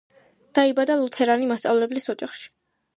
დაიბადა ლუთერანი მასწავლებლის ოჯახში.